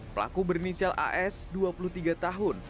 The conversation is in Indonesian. pelaku berinisial as dua puluh tiga tahun